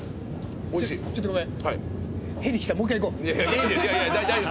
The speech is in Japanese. ・ちょっとごめん。